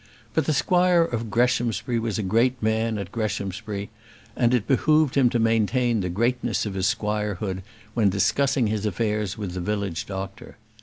But the squire of Greshamsbury was a great man at Greshamsbury; and it behoved him to maintain the greatness of his squirehood when discussing his affairs with the village doctor.